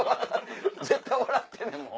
絶対笑ってんねんもん。